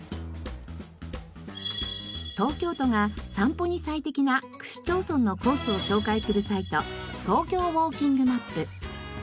東京都が散歩に最適な区市町村のコースを紹介するサイトトーキョーウォーキングマップ。